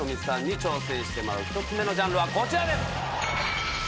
ｈｉｔｏｍｉさんに挑戦してもらう１つ目のジャンルはこちらです。